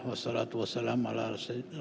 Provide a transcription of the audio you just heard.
wassalatu wassalamu'alaikum warahmatullahi wabarakatuh